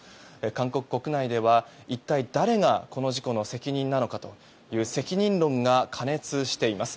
韓国国内では一体誰がこの事故の責任なのかと責任論が過熱しています。